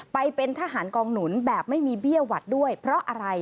ไปเป็นทหารกองหนุนแบบไม่มีเบี้ยหวัดด้วยเพราะอะไร